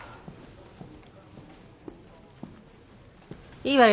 いいわよ。